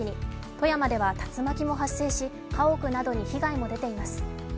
富山では竜巻も発生し家屋などに被害も出ています。